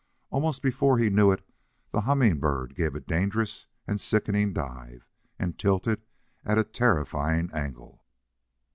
Almost before he knew it the Humming Bird gave a dangerous and sickening dive, and tilted at a terrifying angle.